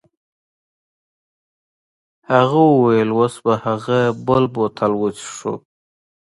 هغه وویل اوس به هغه بل بوتل وڅښو.